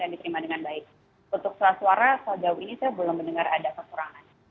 dan diterima dengan baik untuk selas suara sejauh ini saya belum mendengar ada kesurangan